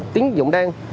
tín dụng đen